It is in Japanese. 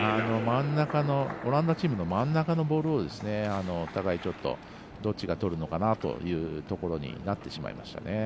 オランダチームの真ん中のボールをお互い、どっちがとるのかなというところになってしまいました。